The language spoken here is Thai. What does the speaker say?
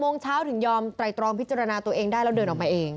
โมงเช้าถึงยอมไตรตรองพิจารณาตัวเองได้แล้วเดินออกมาเอง